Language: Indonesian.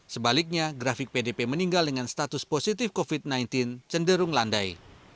sebaliknya grafik pdp meninggal dengan status positif covid sembilan belas cenderung landai